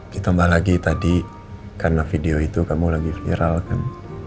ditambah lagi tadi karena video itu kamu lagi viral kan